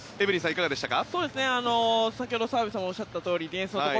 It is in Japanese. いかがでしたか？